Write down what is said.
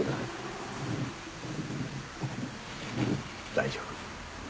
大丈夫。